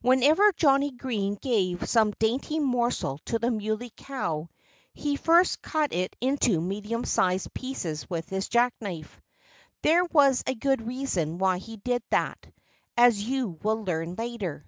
Whenever Johnnie Green gave some dainty morsel to the Muley Cow he first cut it into medium sized pieces with his jackknife. There was a good reason why he did that, as you will learn later.